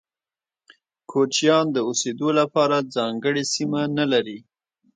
کوچيان د اوسيدو لپاره ځانګړي سیمه نلري.